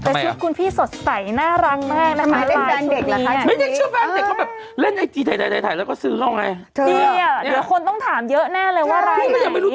และชุดคุณพี่สดใส่ไมง่อกแล้วก็ซื้อเข้าไหน